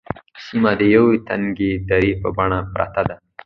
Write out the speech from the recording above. سیمه د یوې تنگې درې په بڼه پرته ده.